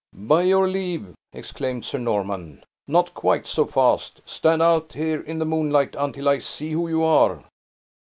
"By your leave!" exclaimed Sir Norman. "Not quite so fast! Stand out here in the moonlight, until I see who you are."